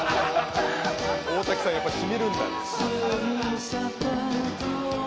大滝さん、やっぱりしみるんだ。